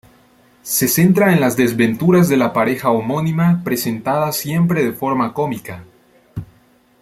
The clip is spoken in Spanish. Se centra en las desventuras de la pareja homónima, presentadas siempre de forma cómica.